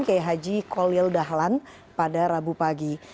khj kolil dahlan pada rabu pagi